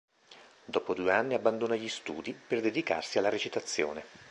Dopo due anni abbandona gli studi, per dedicarsi alla recitazione.